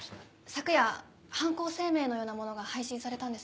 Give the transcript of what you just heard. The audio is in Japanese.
昨夜犯行声明のようなものが配信されたんです。